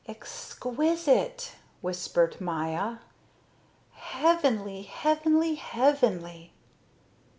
"Exquisite," whispered Maya, "heavenly, heavenly, heavenly."